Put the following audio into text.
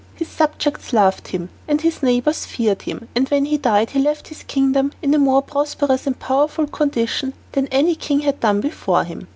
His subjects loved him, and his neighbors feared him, and when he died he left his kingdom in a more prosperous and powerful condition than any king had done before him.